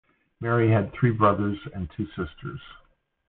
Mary had three brothers and two sisters.